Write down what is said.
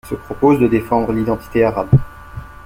Il se propose de défendre l'identité arabe.